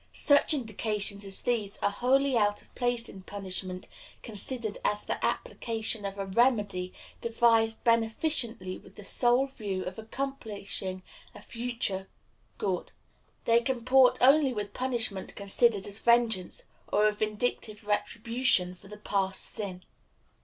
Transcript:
Such indications as these are wholly out of place in punishment considered as the application of a remedy devised beneficently with the sole view of accomplishing a future good. They comport only with punishment considered as vengeance, or a vindictive retribution for the past sin.